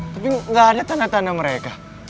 tapi gak ada tanda tanda mereka